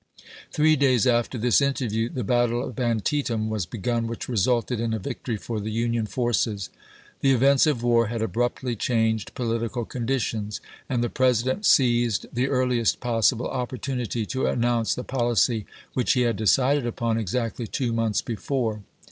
1862. Three days after this interview the battle of An tietam was begun, which resulted in a victory for the Union forces. The events of war had abruptly changed political conditions, and the President seized the earliest possible opportunity to announce the policy which he had decided upon exactly two months before.